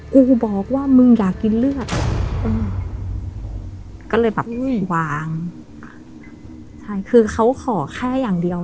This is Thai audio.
กูบอกว่ามึงอยากกินเลือดอืมก็เลยแบบวางใช่คือเขาขอแค่อย่างเดียว